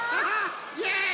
イエーイ！